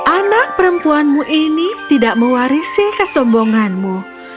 anak perempuanmu ini tidak mewarisi kesombonganmu